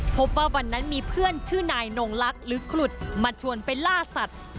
พบว่าวันนั้นมีเพื่อนชื่อนายนงลักษณ์หรือขลุดมาชวนไปล่าสัตว์